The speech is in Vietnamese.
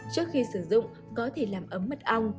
trước khi sử dụng có thể làm ấm mật ong